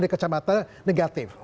dari kacamata negatif